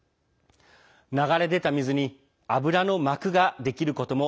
流れ出た水に油の膜ができることも